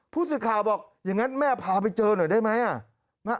ผู้สื่อข่าวบอกอย่างนั้นแม่พาไปเจอหน่อยได้ไหม